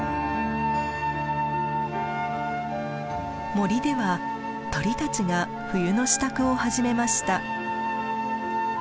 森では鳥たちが冬の支度を始めました。